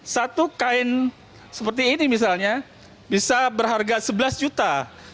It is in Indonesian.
satu kain seperti ini misalnya bisa berharga sebelas juta